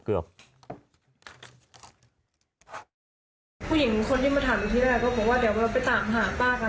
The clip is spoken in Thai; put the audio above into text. ผู้หญิงคนที่มาถามอยู่ที่แรกก็บอกว่าเดี๋ยวเราไปตามหาป้ากัน